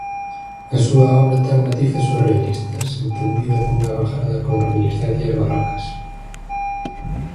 A súa obra ten matices surrealistas, entendida cunha vangarda con reminiscencias barrocas.